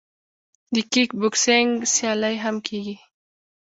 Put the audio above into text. د کیک بوکسینګ سیالۍ هم کیږي.